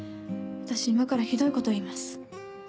私今からひどいこと言います。